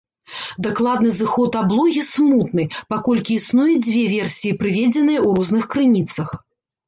Дакладны зыход аблогі смутны, паколькі існуе дзве версіі, прыведзеныя ў розных крыніцах.